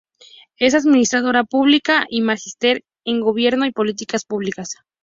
Es administradora pública y Magíster en Gobierno y políticas públicas.